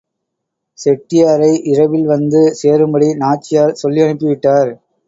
செட்டியாரை இரவில் வந்து சேரும்படி நாச்சியார் சொல்லியனுப்பி விட்டார்.